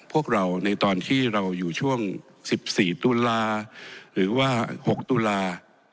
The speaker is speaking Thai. พวกเราในตอนที่เราอยู่ช่วง๑๔ตุลาหรือว่า๖ตุลา